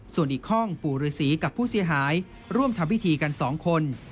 ส่วนอีกห้องปู่ฤษีกับผู้เสียหายร่วมทำพิธีกัน๒คน